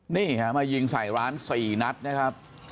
นี่ฮะมายิงใส่ร้าน๔นัดนะครับ